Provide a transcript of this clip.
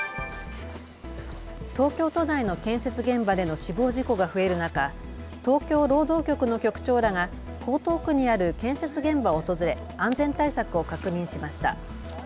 東京都内の建設現場での死亡事故が増える中、東京労働局の局長らが江東区にある建設現場を訪れ安全対策を確認しました。